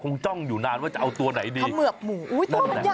คงจ้องอยู่นานว่าจะเอาตัวไหนดีข้าเมือกหมูอุ้ยตัวมันใหญ่มาก